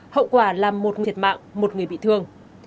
hậu quả làm một thiệt mạng một người bị thương